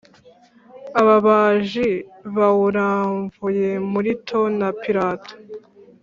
Ababaji bawuramvuye Mulito na pilato